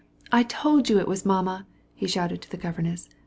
"I told you it was mother!" he shouted to the governess.